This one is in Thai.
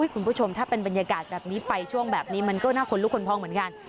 คุณผู้ชมถ้าเป็นบรรยากาศแบบนี้ไปช่วงแบบนี้มันก็น่าขนลุกขนพองเหมือนกัน